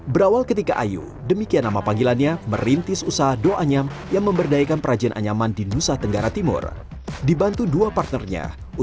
berkembang sekali bisnisnya